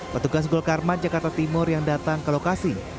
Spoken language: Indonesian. petugas golkarman jakarta timur yang datang ke lokasi